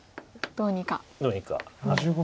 どうにか。